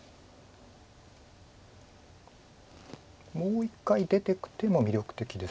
もう１回出てく手も魅力的です。